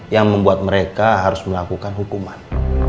yang membuat mereka harus melakukan hukuman